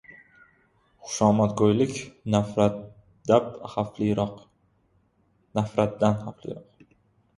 Xushomadgo‘ylik nafratdap xavfliroq.